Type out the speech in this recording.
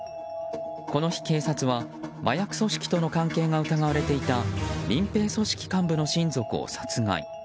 この日、警察は麻薬組織との関係が疑われていた民兵組織幹部の親族を殺害。